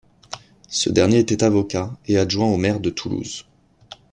Ce dernier était avocat et adjoint au maire de Toulouse.